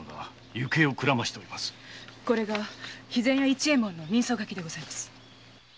これが肥前屋市右衛門の人相書きでございます。